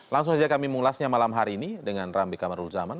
langsung saja kami mulasnya malam hari ini dengan rambi kamarulzaman